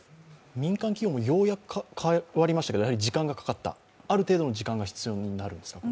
民間企業もようやく変わりましたけど時間がかかった、ある程度の時間が必要になりますか？